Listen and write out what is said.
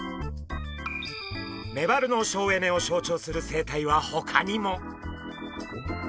メバルの省エネを象徴する生態はほかにも。